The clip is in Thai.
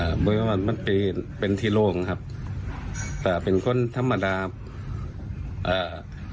อ่าบริเวณวันมันเป็นเป็นที่โลกนะครับแต่เป็นคนธรรมดาอ่า